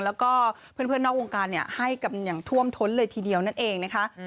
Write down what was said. แล้วก็เพื่อนนอกวงการให้กันอย่างท่วมท้นเลยทีเดียวนั่นเองนะคะ